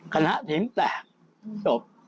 ขณะถึงแตกจบ